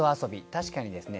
確かにですね